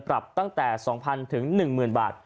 ปรับตั้งแต่๒๐๐ถึง๑๐๐บาท